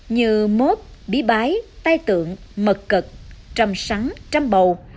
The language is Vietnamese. như mốt bí bái tay tượng mật cực trăm sắn trăm bầu